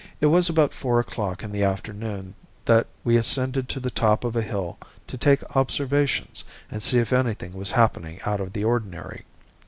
It was about four o'clock in the afternoon that we ascended to the top of a hill to take observations and see if anything was happening out of the ordinary.